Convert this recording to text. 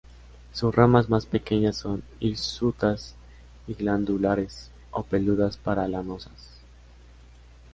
Sus ramas más pequeñas son hirsutas y glandulares o peludas para lanosas.